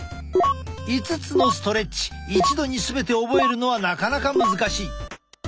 ５つのストレッチ一度に全て覚えるのはなかなか難しい。